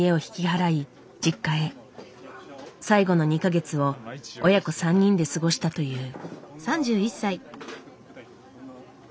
最後の２か月を親子３人で過ごしたという。